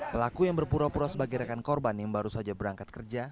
pelaku yang berpura pura sebagai rekan korban yang baru saja berangkat kerja